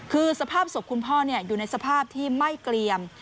คือสภาพศพคุณพ่ออยู่ในสภาพที่ไม่เกลี่ยม